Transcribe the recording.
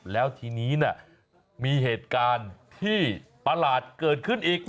แล้วทีนี้มีเหตุการณ์ที่ประหลาดเกิดขึ้นอีก